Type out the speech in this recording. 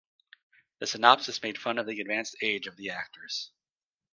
The synopsis made fun of the advanced age of the actors.